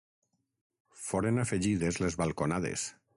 Foren afegides les balconades.